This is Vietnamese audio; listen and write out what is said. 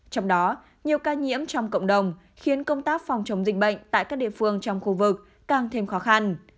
trong đó nhiều ca nhiễm trong cộng đồng khiến công tác phòng chống dịch bệnh tại các địa phương trong khu vực càng thêm khó khăn